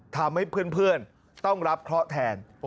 ทำให้เพื่อนต้องรับเคราะห์แทน